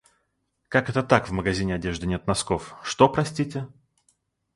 Как это так, в магазине одежды нет носков? Что, простите?